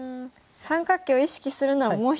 三角形を意識するならもう１つ。